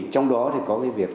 trong đó thì có cái việc